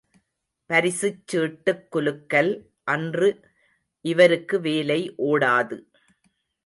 பரிசுச் சீட்டுக் குலுக்கல் அன்று இவருக்கு வேலை ஓடாது!